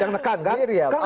yang nekan kan